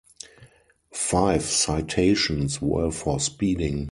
Five citations were for speeding.